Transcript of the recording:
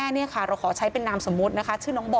ลูกชายแม่นี้ค่ะเราขอใช้เป็นนามสมมตินะคะ